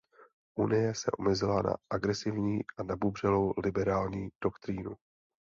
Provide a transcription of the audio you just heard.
Unie se omezila na agresivní a nabubřelou liberální doktrínu.